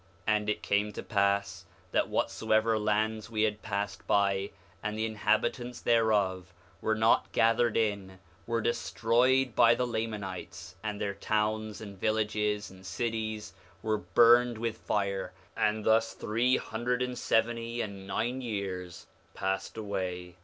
5:5 And it came to pass that whatsoever lands we had passed by, and the inhabitants thereof were not gathered in, were destroyed by the Lamanites, and their towns, and villages, and cities were burned with fire; and thus three hundred and seventy and nine years passed away.